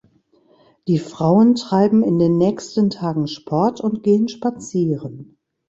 Die Frauen treiben in den nächsten Tagen Sport und gehen spazieren.